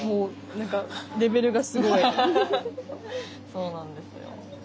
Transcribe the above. そうなんですよ。